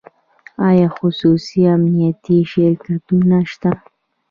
آیا خصوصي امنیتي شرکتونه شته؟